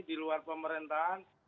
di luar pemerintahan